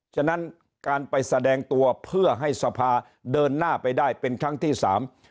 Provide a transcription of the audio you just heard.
ฉะนั้นการไปแสดงตัวเพื่อให้สภาเดินหน้าไปได้เป็นครั้งที่สาม